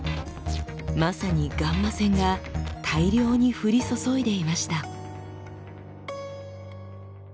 まさにガンマ線が大量に降り注いでいました。